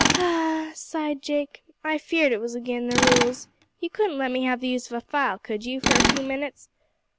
"Ah!" sighed Jake, "I feared it was agin the rules. You couldn't let me have the use of a file, could you, for a few minutes?